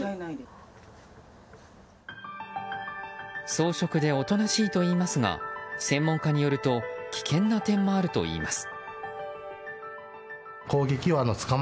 草食でおとなしいといいますが専門家によると危険な点もあるといいます。